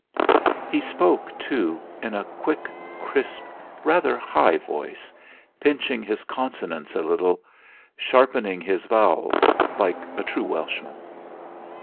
He spoke, too, in a quick, crisp, rather high voice, pinching his consonants a little, sharpening his vowels, like a true Welshman.